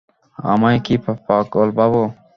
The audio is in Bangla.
আমায় কি পাগল ভাবো?